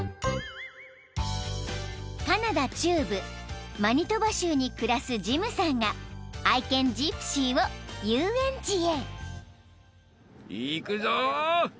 ［カナダ中部マニトバ州に暮らすジムさんが愛犬ジプシーを遊園地へ］